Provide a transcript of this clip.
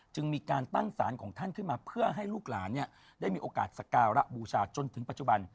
จึงมีการตั้งสารของท่านขึ้นมาเพื่อให้ลูกหลานได้มีโอกาสสการะบูชาจนถึงปัจจุบัน